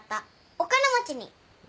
お金持ち？